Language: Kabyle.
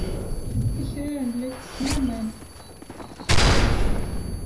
Akraren la ttessen aman.